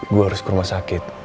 gue harus ke rumah sakit